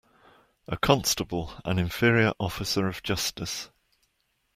A constable an inferior officer of justice.